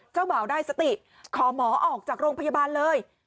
เจ้าบ่าวได้สติขอหมอออกจากโรงพยาบาลเลย